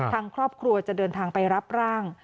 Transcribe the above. ทางครอบครัวจะเดินทางไปรับร่าง